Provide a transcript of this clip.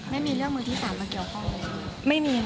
ไม่มีเรื่องมือที่๓มาเกี่ยวข้องเลย